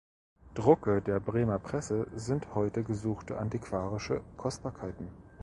Drucke der "Bremer Presse" sind heute gesuchte antiquarische Kostbarkeiten.